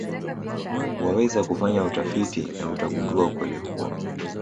Waweza kufanya utafiti na utagundua ukweli huo